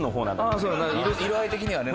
色合い的にはね。